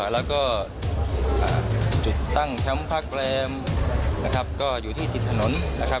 แล้วก็จุดตั้งแชมป์ภาคแปรมก็อยู่ที่ติดถนน